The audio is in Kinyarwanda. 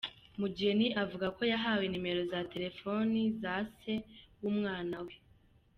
Mugeni avuga ko yahawe nimero za telefoni za se w’umwana we.